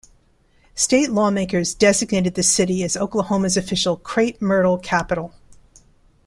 State lawmakers designated the city as Oklahoma's official "Crepe Myrtle Capital".